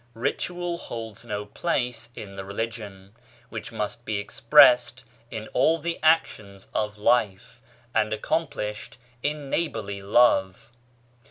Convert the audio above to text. Ritual holds no place in the religion, which must be expressed in all the actions of life, and accomplished in neighbourly love.